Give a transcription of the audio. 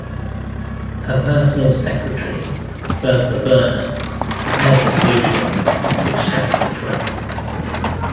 Her personal secretary, Bertha Berner, prepared the solution, which Stanford drank.